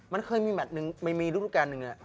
มันเคยมีแบบนึงไม่มีรูปการณ์นึงอ่ะ